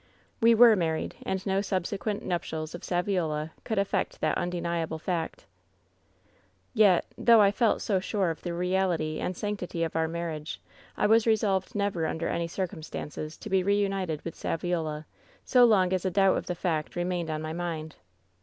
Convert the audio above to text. We were married, and no subsequent nuptials of Saviola could affect that undeniable fact. "Yet — ^though I felt so sure of the reality and sanc tity of our marriage, I was resolved never under any circumstances to be reunited with Saviola so long as a doubt of the fact remained on my mind.